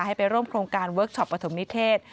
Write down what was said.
ให้ไปร่วมโครงการเวิร์คชอปปฐมนิเทศ